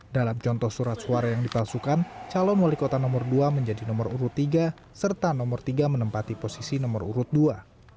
dalam contoh surat suara yang dipalsukan calon wali kota nomor dua menjadi nomor urut tiga serta nomor tiga menempati posisi nomor urut dua